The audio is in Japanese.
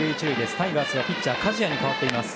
タイガースはピッチャー加治屋に代わっています。